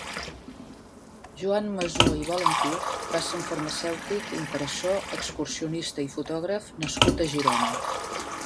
Joan Masó i Valentí va ser un farmacèutic, impressor, excursionista i fotògraf nascut a Girona.